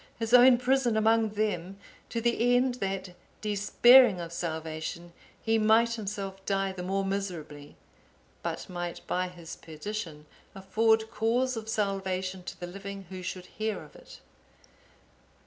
his own prison among them, to the end that, despairing of salvation, he might himself die the more miserably, but might by his perdition afford cause of salvation to the living who should hear of it.